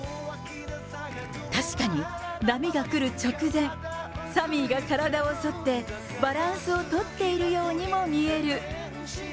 確かに、波が来る直前、サミーが体を反ってバランスを取っているようにも見える。